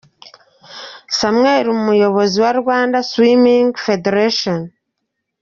Samuel umuyobozi wa Rwanda Swiming Federation.